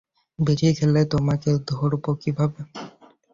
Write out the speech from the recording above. বেশী খেলে তোমাকে ধরব কীভাবে?